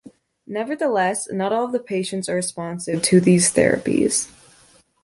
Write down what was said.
Nevertheless, not all the patients are responsive to these therapies.